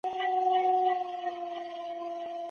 که موږ يو بل ونه زغمو نو ټولنه به ونړېږي.